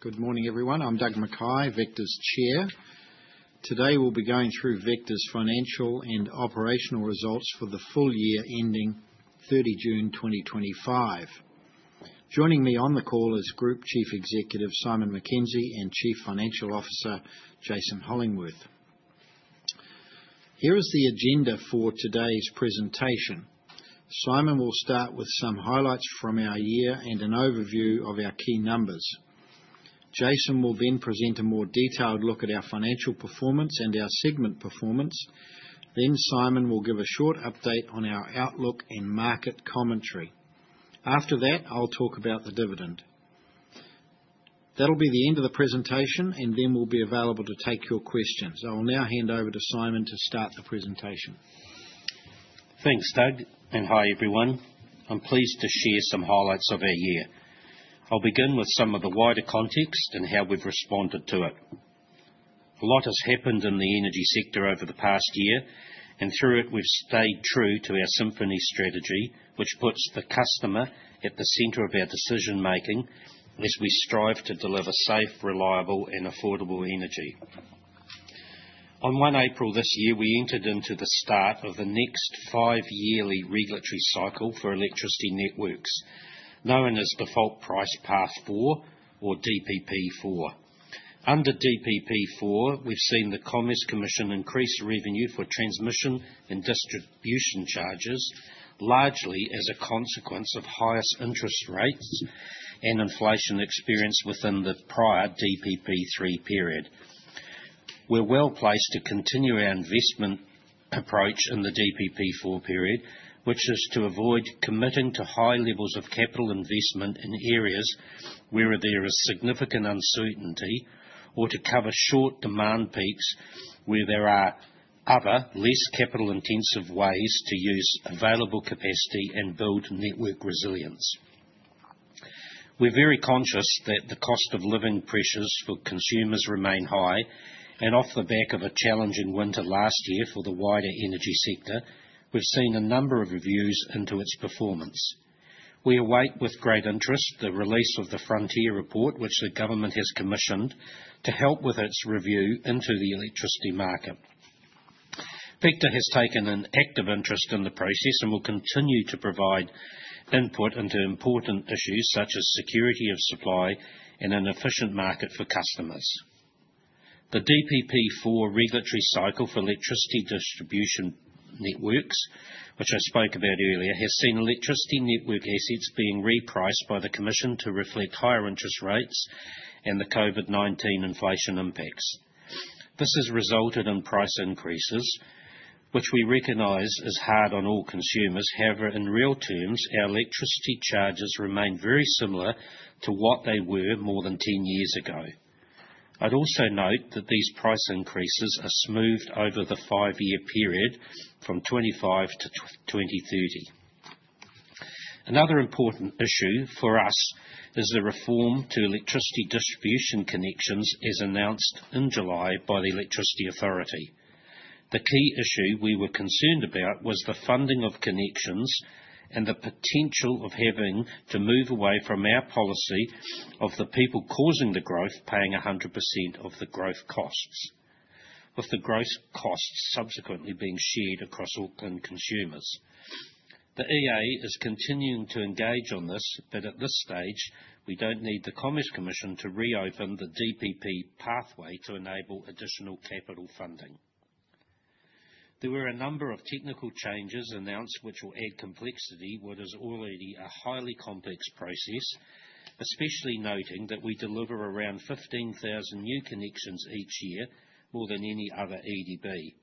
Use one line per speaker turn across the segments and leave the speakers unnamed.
Good morning everyone. I'm Doug McKay, Vector's Chair. Today we'll be going through Vector's financial and operational results for the full year ending 30 June 2025. Joining me on the call is Group Chief Executive Simon Mackenzie and Chief Financial Officer Jason Hollingworth. Here is the agenda for today's presentation. Simon will start with some highlights from our year and an overview of our key numbers. Jason will then present a more detailed look at our financial performance and our segment performance. Simon will give a short update on our outlook and market commentary. After that, I'll talk about the dividend. That'll be the end of the presentation and then we'll be available to take your questions. I will now hand over to Simon to start the presentation.
Thanks Doug and hi everyone. I'm pleased to share some highlights of our year. I'll begin with some of the wider context and how we've responded to it. A lot has happened in the energy sector over the past year and through it we've stayed true to our Symphony strategy, which puts the customer at the center of our decision making as we strive to deliver safe, reliable, and affordable energy. On the 1 April this year, we entered into the start of the next five-yearly regulatory cycle for electricity networks known as Default Price Path 4 or DPP4. Under DPP4, we've seen the Commerce Commission increase revenue for transmission and distribution charges largely as a consequence of higher interest rates and inflation experienced within the prior DPP3 period. We're well placed to continue our investment approach in the DPP4 period, which is to avoid committing to high levels of capital investment in areas where there is significant uncertainty or to cover short demand peaks where there are other less capital intensive ways to use available capacity and build network resilience. We're very conscious that the cost of living pressures for consumers remain high, and off the back of a challenging winter last year for the wider energy sector, we've seen a number of reviews into its performance. We await with great interest the release of the Frontier Report, which the government has commissioned to help with its review into the electricity market. Vector has taken an active interest in the process and will continue to provide input into important issues such as security of supply and an efficient market for customers. The DPP4 regulatory cycle for electricity distribution networks, which I spoke about earlier, has seen electricity network assets being repriced by the Commission to reflect higher interest rates and the COVID-19 inflation impacts. This has resulted in price increases, which we recognize is hard on all consumers. However, in real terms, our electricity charges remain very similar to what they were more than 10 years ago. I'd also note that these price increases are smoothed over the five-year period from 2025 to 2030. Another important issue for us is the reform to electricity distribution connections as announced in July by the Electricity Authority. The key issue we were concerned about was the funding of connections and the potential of having to move away from our policy of the people causing the growth paying 100% of the growth cost, with the gross costs subsequently being shared across Auckland consumers. The Electricity Authority is continuing to engage on this, but at this stage we don't need the Commerce Commission to reopen the DPP pathway to enable additional capital funding. There were a number of technical changes announced, which will add complexity to what is already a highly complex process, especially noting that we deliver around 15,000 new connections each year, more than any other EDB.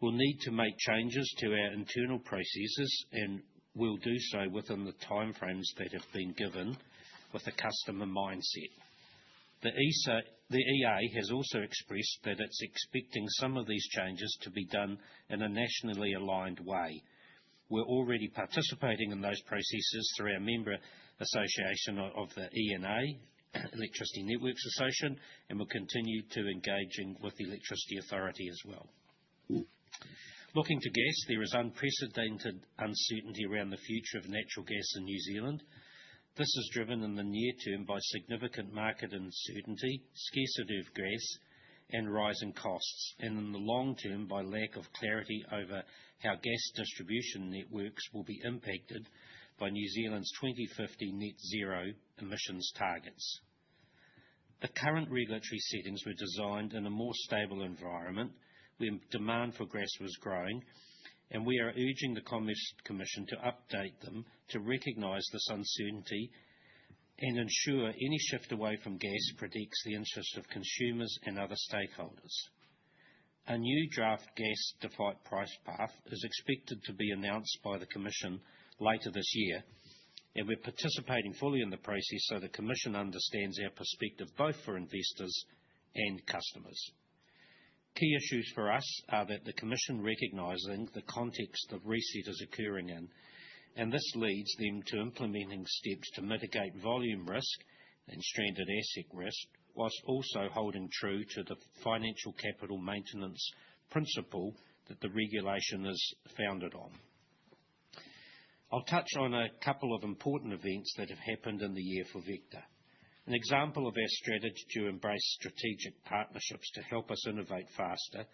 We'll need to make changes to our internal processes, and we'll do so within the time frames that have been given with the customer mindset. The EA has also expressed that it's expecting some of these changes to be done in a nationally aligned way. We're already participating in those processes through our member association of the ENA, Electricity Networks Association and will continue to engage with the Electricity Authority as well. Looking to gas, there is unprecedented uncertainty around the future of natural gas in New Zealand. This is driven in the near term by significant market uncertainty, scarcity of gas, and rising costs, and in the long-term by lack of clarity over how gas distribution networks will be impacted by New Zealand's 2050 net zero emissions targets. The current regulatory settings were designed in a more stable environment where demand for gas was growing, and we are urging the Commerce Commission to update them to recognize this uncertainty and ensure any shift away from gas protects the interests of consumers and other stakeholders. A new draft gas default price path is expected to be announced by the Commission later this year, and we're participating fully in the process so the Commission understands our perspective both for investors and customers. Key issues for us are that the Commission recognizing the context the reset is occurring in, and this leads them to implementing steps to mitigate volume risk and stranded asset risk, whilst also holding true to the financial capital maintenance principle that the regulation is founded on. I'll touch on a couple of important events that have happened in the year for Vector. An example of our strategy to embrace strategic partnerships to help us innovate faster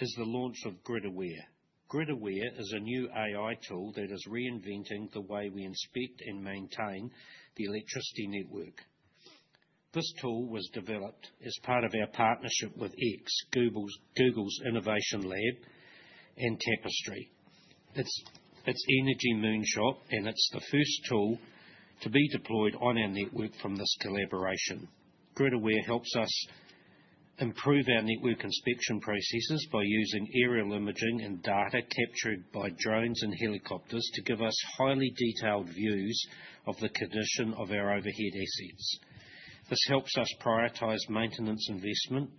is the launch of GridAware. GridAware is a new AI tool that is reinventing the way we inspect and maintain the electricity network. This tool was developed as part of our partnership with X (formerly Google X), Google's Innovation Lab, and Tapestry. It's an energy moonshot and it's the first tool to be deployed on our network from this collaboration. GridAware helps us improve our network inspection processes by using aerial imaging and data captured by drones and helicopters to give us highly detailed views of the condition of our overhead assets. This helps us prioritize maintenance investment,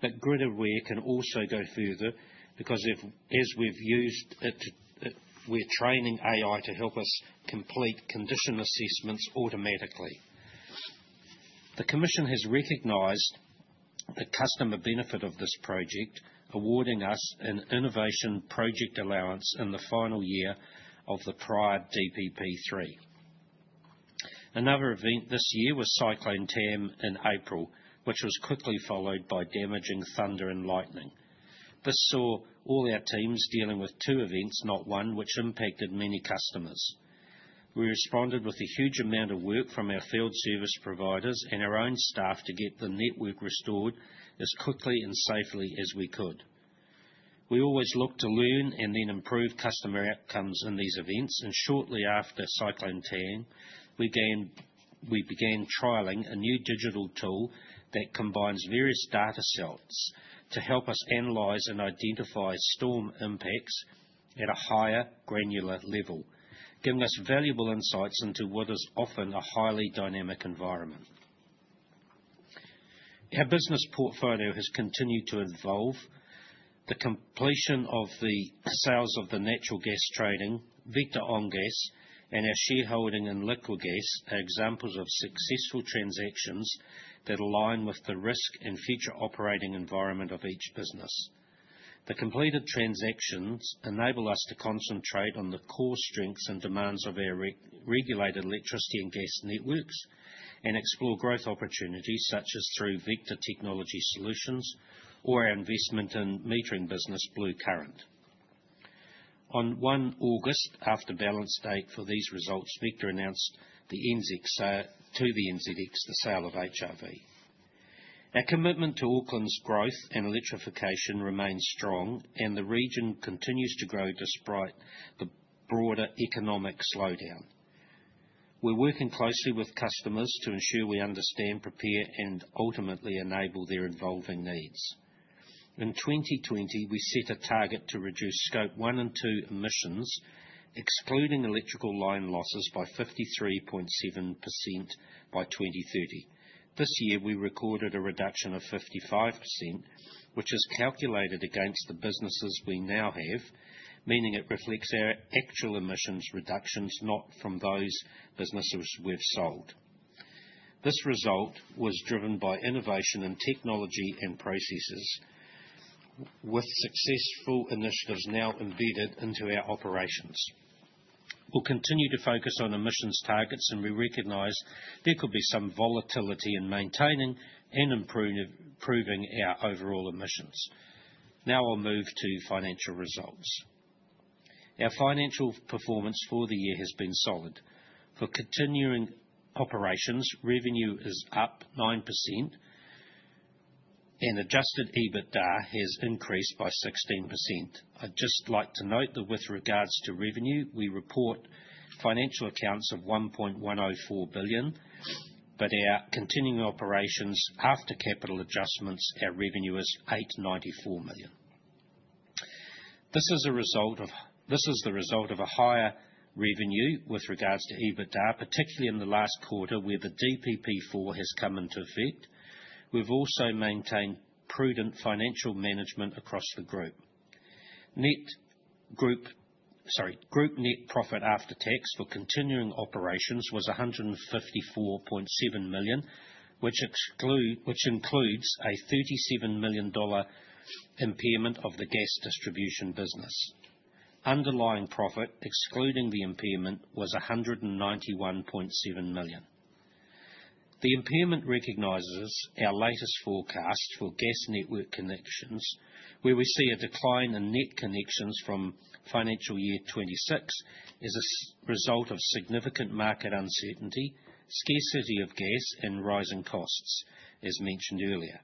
but GridAware can also go further because as we've used, we're training AI to help us complete condition assessments automatically. The Commission has recognized the customer benefit of this project, awarding us an Innovation Project Allowance in the final year of the prior DPP3. Another event this year was Cyclone Tam in April, which was quickly followed by damaging thunder and lightning. This saw all our teams dealing with two events, not one, which impacted many customers. We responded with a huge amount of work from our field service providers and our own staff to get the network restored as quickly and safely as we could. We always look to learn and then improve customer outcomes in these events. Shortly after Cyclone Tam, we began trialing a new digital tool that combines various data sets to help us analyze and identify storm impacts at a higher granular level, giving us valuable insights into what is often a highly dynamic environment. Our business portfolio has continued to evolve. The completion of the sales of the natural gas trading Vector OnGas and our shareholding in Elgas are examples of successful transactions that align with the risk and future operating environment of each business. The completed transactions enable us to concentrate on the core strengths and demands of our regulated electricity and gas networks and explore growth opportunities such as through Vector Technology Solutions or our investment in metering business Blue Current. On 1 August, after balance day for these results, Vector announced to the NZX the sale of HRV. Our commitment to Auckland's growth and electrification remains strong and the region continues to grow despite the broader economic slowdown. We're working closely with customers to ensure we understand, prepare, and ultimately enable their evolving needs. In 2020, we set a target to reduce scope one and two emissions, excluding electrical line losses, by 53.7% by 2030. This year we recorded a reduction of 55%, which is calculated against the businesses we now have, meaning it reflects our actual emissions reductions, not from those businesses we've sold. This result was driven by innovation in technology and processes. With successful initiatives now embedded into our operations, we'll continue to focus on emissions targets, and we recognize there could be some volatility in maintaining and improving our overall emissions. Now I'll move to financial results. Our financial performance for the year has been solid. For continuing operations, revenue is up 9% and adjusted EBITDA has increased by 16%. I'd just like to note that with regards to revenue, we report financial accounts of $1.104 billion, but our continuing operations after capital adjustments, our revenue is $894 million. This is the result of a higher revenue with regards to EBITDA, particularly in the last quarter where the DPP4 has come into effect. We've also maintained prudent financial management across the group. Group net profit after tax for continuing operations was $154.7 million, which includes a $37 million impairment of the gas distribution business. Underlying profit excluding the impairment was $191.7 million. The impairment recognizes our latest forecast for gas network connections, where we see a decline in net connections from financial year 2026 as a result of significant market uncertainty, scarcity of gas, and rising costs. As mentioned earlier,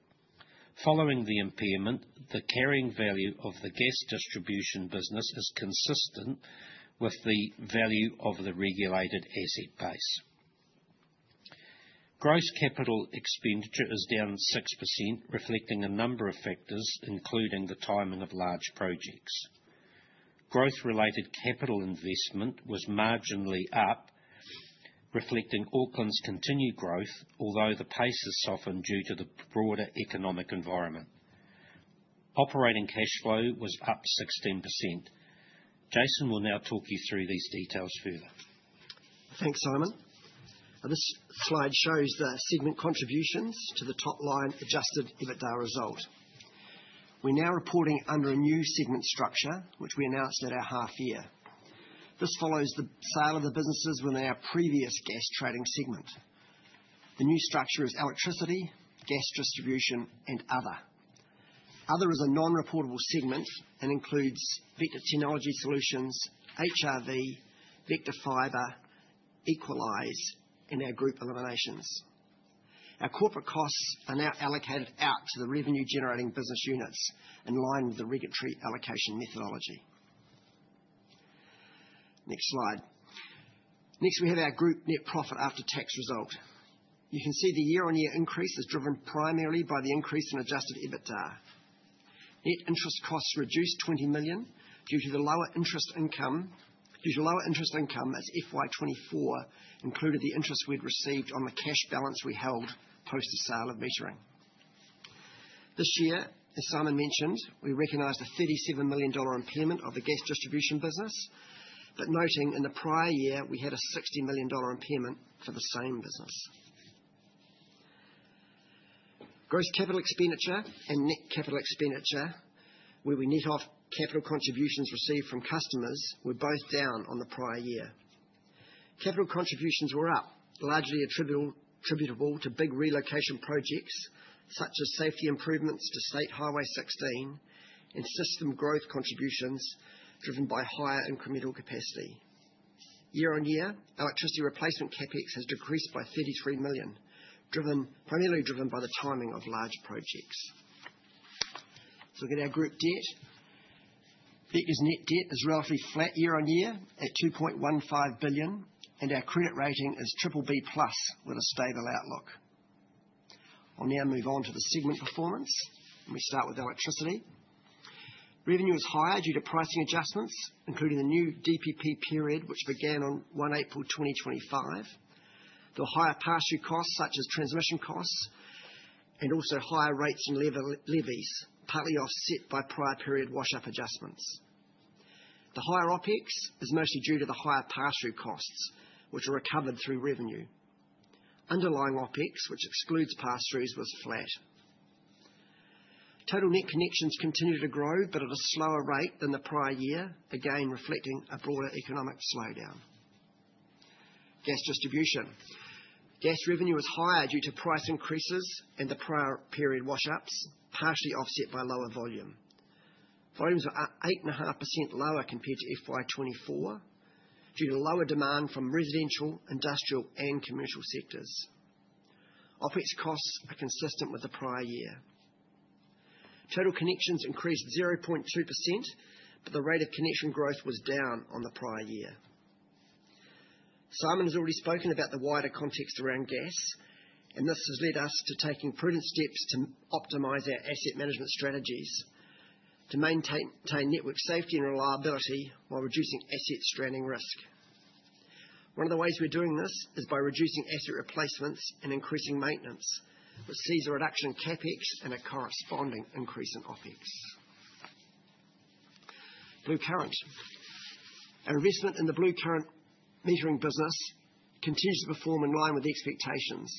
following the impairment, the carrying value of the gas distribution business is consistent with the value of the regulated asset base. Gross capital expenditure is down 6%, reflecting a number of factors including the timing of large projects. Growth-related capital investment was marginally up, reflecting Auckland's continued growth, although the pace has softened due to the broader economic environment. Operating cash flow was up 16%. Jason will now talk you through these details further.
Thanks Simon. This slide shows the segment contributions to the top line adjusted EBITDA result. We're now reporting under a new segment structure which we announced at our half year. This follows the sale of the businesses within our previous gas trading segment. The new structure is Electricity, Gas distribution, and Other. Other is a non-reportable segment and includes Vector Technology Solutions, HRV, Vector Fibre, Equalize, and our group eliminations. Our corporate costs are now allocated out to the revenue-generating business units in line with the regulatory allocation methodology. Next slide. Next we have our group net profit after tax result. You can see the year-on-year increase is driven primarily by the increase in adjusted EBITDA. Net interest costs reduced $20 million due to the lower interest income as FY 2024 included the interest we'd received on the cash balance we held post the sale of metering this year. As Simon mentioned, we recognized a $37 million impairment of a gas distribution business, but noting in the prior year we had a $60 million impairment for the same business. Gross capital expenditure and net capital expenditure, where we net off capital contributions received from customers, were both down on the prior year. Capital contributions were up, largely attributable to big relocation projects such as safety improvements to State Highway 16, and growth contributions driven by higher incremental capacity. Year-on-year, electricity replacement CapEx has decreased by $33 million, primarily driven by the timing of large projects. Looking at our group debt, Vector's net debt is relatively flat year-on-year at $2.15 billion, and our credit rating is BBB plus with a stable outlook. I'll now move on to the segment performance. Let me start with electricity. Revenue is higher due to pricing adjustments, including the new DPP which began on 1 April 2025. The higher pass-through costs, such as transmission costs and also higher rates and levies, were partly offset by prior period wash-up adjustments. The higher OpEx is mostly due to the higher pass-through costs, which are recovered through revenue. Underlying OpEx, which excludes pass-throughs, was flat. Total net connections continue to grow but at a slower rate than the prior year, again reflecting a broader economic slowdown. Gas distribution. Gas revenue was higher due to price increases and the prior period wash-ups, partially offset by lower volume. Volumes are 8.5% lower compared to FY 2024 due to lower demand from residential, industrial, and commercial sectors. OpEx costs are consistent with the prior year. Total connections increased 0.2%, but the rate of connection growth was down on the prior year. Simon has already spoken about the wider context around gas, and this has led us to taking prudent steps to optimize our asset management strategies to maintain network safety and reliability while reducing asset stranding risk. One of the ways we're doing this is by reducing asset replacements and increasing maintenance, which sees a reduction in CapEx and a corresponding increase in OpEx. Blue Current. Our investment in the Blue Current metering business continues to perform in line with expectations.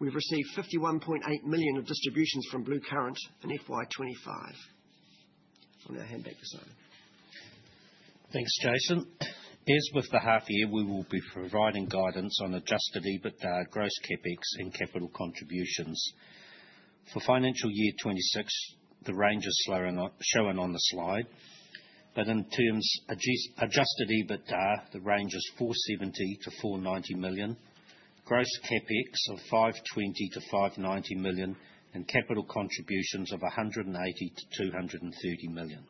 We've received $51.8 million of distributions from Blue Current in FY 2025. Now hand back to Simon.
Thanks Jason. As with the half year, we will be providing guidance on adjusted EBITDA, gross CapEx, and capital contributions for financial year 2026. The range is shown on the slide, but in terms of adjusted EBITDA, the range is $470 million-$490 million, gross CapEx of $520 million-$590 million, and capital contributions of $180 million-$230 million.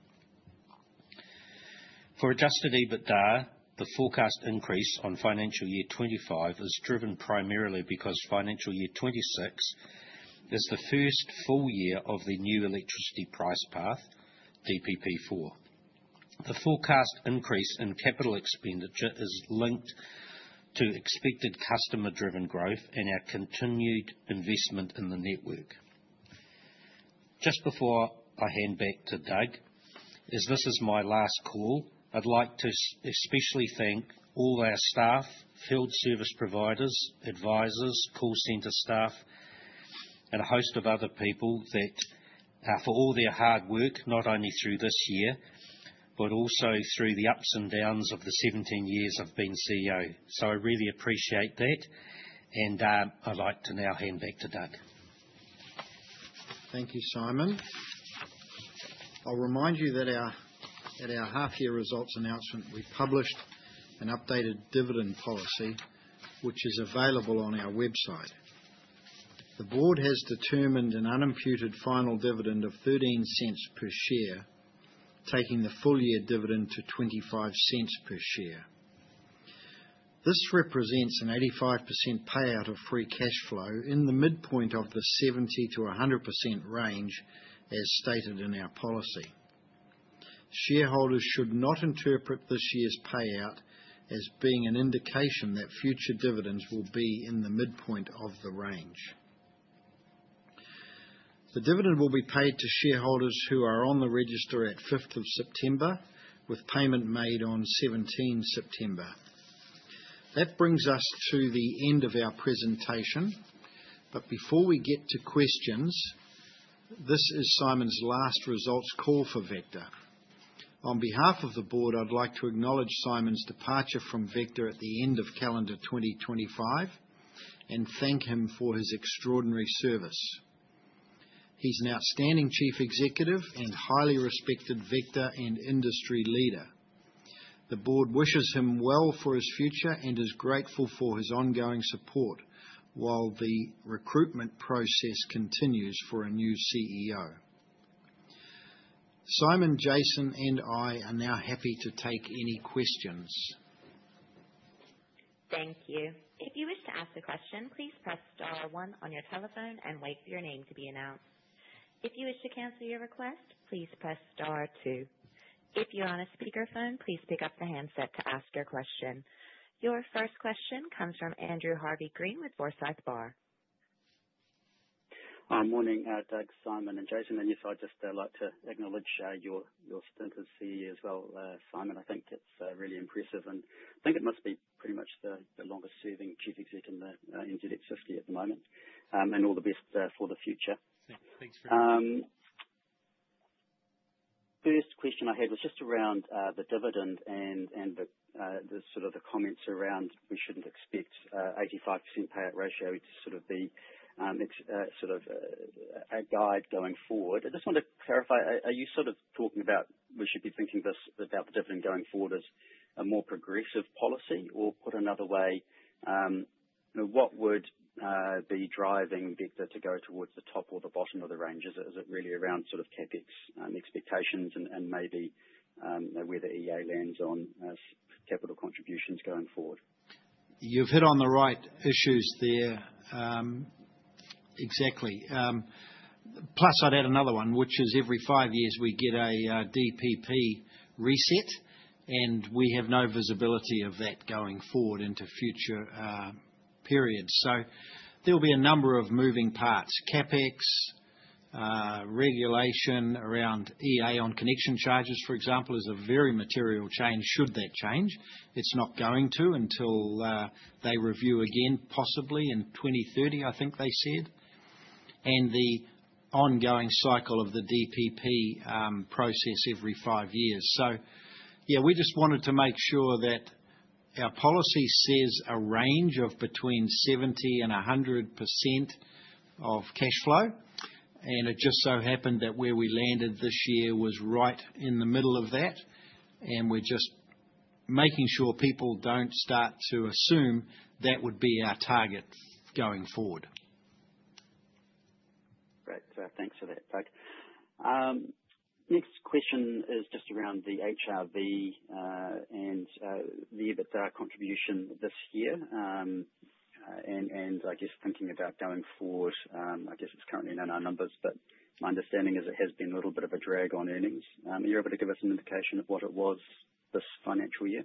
For adjusted EBITDA, the forecast increase on financial year 2025 is driven primarily because financial year 2026 is the first full year of the new electricity price path, DPP4. The forecast increase in capital expenditure is linked to expected customer-driven growth and our continued investment in the network. Just before I hand back to Doug, as this is my last call, I'd like to especially thank all our staff, field service providers, advisors, call center staff, and a host of other people for all their hard work, not only through this year, but also through the ups and downs of the 17 years I've been CEO. I really appreciate that and I'd like to now hand back to Doug.
Thank you, Simon. I'll remind you that at our half year results announcement, we published an updated dividend policy which is available on our website. The Board has determined an unimputed final dividend of $0.13 per share, taking the full year dividend to $0.25 per share. This represents an 85% payout of free cash flow in the midpoint of the 70%-100% range. As stated in our policy, shareholders should not interpret this year's payout as being an indication that future dividends will be in the midpoint of the range. The dividend will be paid to shareholders who are on the register at the 5th of September with payment made on the 17th of September. That brings us to the end of our presentation. Before we get to questions, this is Simon's last results call for Vector. On behalf of the Board, I'd like to acknowledge Simon's departure from Vector at the end of calendar 2025 and thank him for his extraordinary service. He's an outstanding Chief Executive and highly respected Vector and industry leader. The Board wishes him well for his future and is grateful for his ongoing support while the recruitment process continues for a new CEO. Simon, Jason and I are now happy to take any questions.
Thank you. If you wish to ask a question, please press star one on your telephone and wait for your name to be announced. If you wish to cancel your request, please press star one. If you're on a speakerphone, please pick up the handset to ask your question. Your first question comes from Andrew Harvey-Green with Forsyth Barr.
Morning, Doug, Simon and Jason. I'd just like to acknowledge you, Simon. I think that's really impressive, and I think it must be pretty much the longest serving Chief Executive in the NZ50 at the moment. All the best for the future.
Thanks.
First question I had was just around the dividend and the comments around we shouldn't expect 85% payout ratio to be a guide going forward. I just want to clarify, are you talking about we should be thinking about the dividend going forward as a more progressive policy? Or put another way, what would be driving Vector to go towards the top or the bottom of the range? Is it really around CapEx expectations and maybe where the EA lands on as capital contributions going forward?
You've hit on the right issues there. Exactly. Plus I'd add another one, which is every five years we get a DPP reset, and we have no visibility of that going forward into future period. There will be a number of moving parts. CapEx regulation around EA on connection charges, for example, is a very material change. Should that change, it's not going to until they review again, possibly in 2030, I think they said, and the ongoing cycle of the DPP process every five years. We just wanted to make sure that our policy says a range of between 70% and 100% of cash flow, and it just so happened that where we landed this year was right in the middle of that. We're just making sure people don't start to assume that would be our target going forward.
Great. Thanks for that, Doug. Next question is just around the HRV and the EBITDA contribution this year, and I guess thinking about going forward, I guess it's currently none in our numbers, but my understanding is it has been a little bit of a drag on earnings. Are you able to give us an indication of what it was this financial year?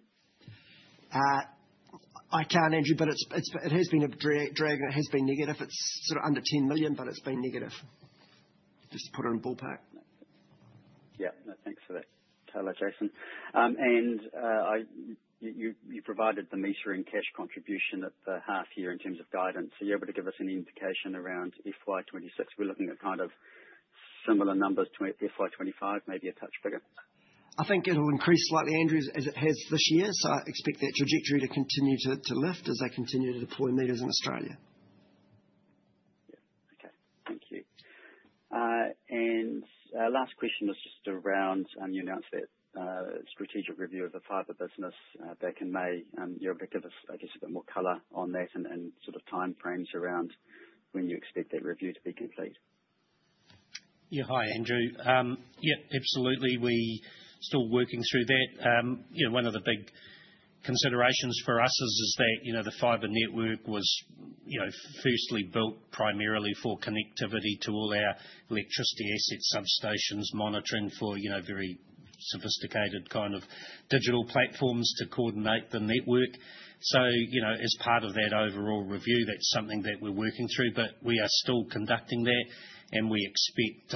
I can't, Andrew, but it has been a drag and it has been negative. It's sort of under $10 million, but it's been negative. Just put it in ballpark.
Yeah, thanks for that, Tyler. Jason and I, you provided the metering cash contribution at the half year. In terms of guidance, are you able to give us an indication around FY 2026? We're looking at kind of similar numbers to FY 2025, maybe a touch bigger.
I think it will increase slightly, Andrew, as it has this year. I expect that trajectory to continue to lift as they continue to deploy meters in Australia.
Thank you. Last question was just around, you announced that strategic review of the Fibre business back in May. You're able to give us, I guess, a bit more color on that and sort of time frames around when you expect that review to be complete.
Yeah, hi, Andrew. Yeah, absolutely, we are still working through that. One of the big considerations for us is that the fibre network was firstly built primarily for connectivity to all our electricity assets, substations monitoring for very sophisticated kind of digital platforms to coordinate the network. As part of that overall review, that's something that we're working through, but we are still conducting that and we expect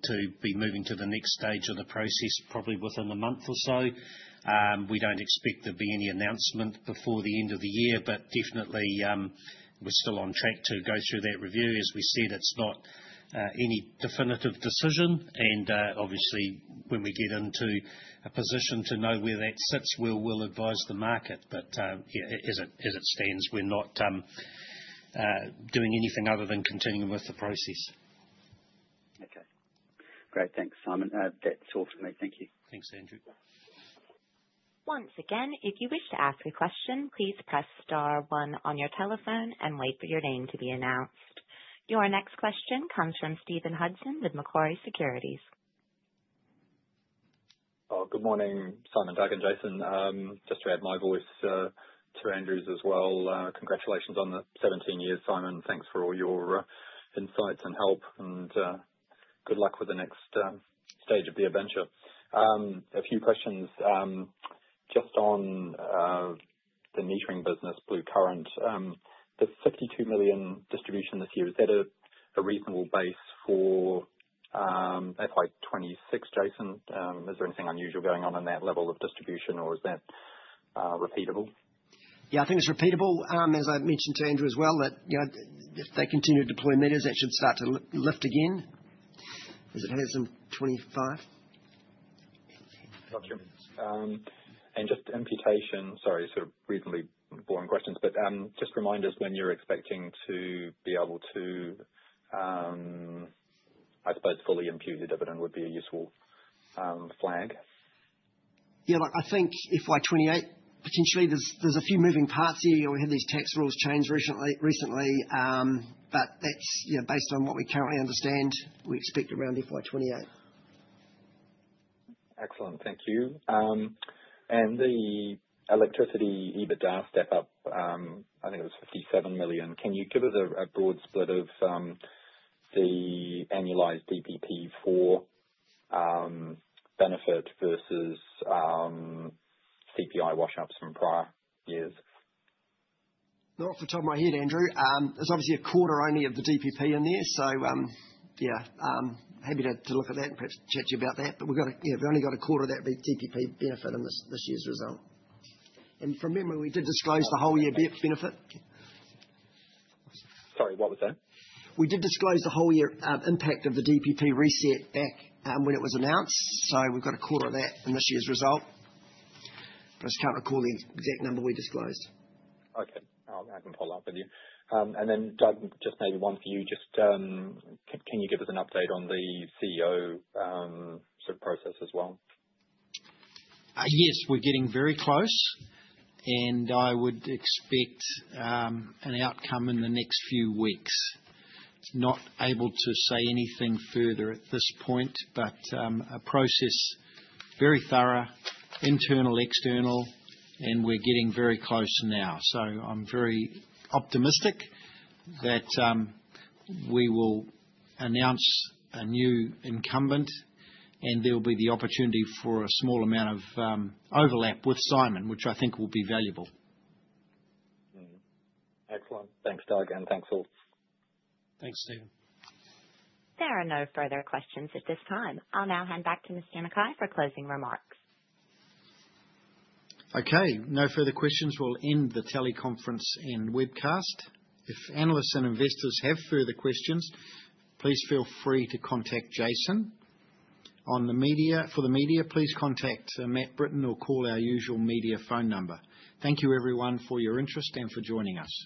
to be moving to the next stage of the process probably within a month or so. We don't expect to be any announcement before the end of the year, but definitely we're still on track to go through that review. As we said, it's not any definitive decision and obviously when we get into a position to know where that sits, we'll advise the market. As it stands, we're not doing anything other than continuing with the process.
Okay, great. Thanks, Simon. That's all for me. Thank you.
Thanks, Andrew.
Once again, if you wish to ask a question, please press star one on your telephone and wait for your name to be announced. Your next question comes from Stephen Hudson with Macquarie Securities.
Good morning, Simon, Doug, Jason. Just to add my voice to Andrew's as well, congratulations on the 17 years, Simon. Thanks for all your insights and help and good luck with the next stage of the adventure. A few questions just on the metering business Blue Current. The $52 million distribution this year, is that a reasonable base for FY 2026, Jason? Is there anything unusual going on in that level of distribution or is that repeatable?
I think it's repeatable, as I mentioned to Andrew as well, that if they continue to deploy meters, that should start to lift again as it has in 2025.
Just on imputation. Sorry, sort of reasonably boring questions, but just reminders when you're expecting to be able to, I suppose, fully imputed dividend would be a useful flag?
I think FY 2028 potentially there's a few moving parts here. We have these tax rules changed recently, but that's based on what we currently understand we expect around FY 2028.
Excellent, thank you. The electricity EBITDA step up, I think it was $57 million. Can you give us a broad split of the annualized DPP4 benefit versus CPI wash ups from prior years?
Not off the top of my head, Andrew. There's obviously a quarter only of the DPP in there. Yeah, happy to look at that and perhaps chat to you about that. We've only got a quarter of that DPP benefit in this year's result and from memory we did disclose the whole year benefit.
Sorry, what was that?
We did disclose the whole year impact of the DPP reset back when it was announced. We've got a quarter of that in this year's result, but I just can't recall the exact number we disclosed.
Okay, I can follow up with you, and then Doug, just maybe one for you. Just. Can you give us an update on the CEO process as well?
Yes, we're getting very close and I would expect an outcome in the next few weeks. Not able to say anything further at this point, but a process very thorough, internal, external. We're getting very close now. I'm very optimistic that we will announce a new incumbent and there will be the opportunity for a small amount of overlap with Simon, which I think will be valuable.
Excellent. Thanks, Doug. Thanks all.
Thanks, Stephen.
There are no further questions at this time. I'll now hand back to Mr. McKay for closing remarks.
Okay, no further questions. We'll end the teleconference and webcast. If analysts and investors have further questions, please feel free to contact Jason on the media. For the media, please contact Matt Britton or call our usual media phone number. Thank you everyone for your interest and for joining us.